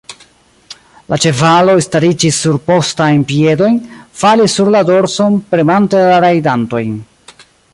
La ĉevaloj stariĝis sur postajn piedojn, falis sur la dorson, premante la rajdantojn.